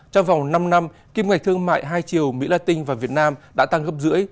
trong vòng năm năm kim ngạch thương mại hai chiều mỹ la tinh và việt nam đã tăng gấp rưỡi